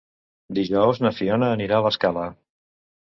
Dijous na Fiona anirà a l'Escala.